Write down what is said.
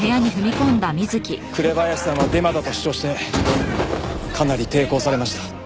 紅林さんはデマだと主張してかなり抵抗されました。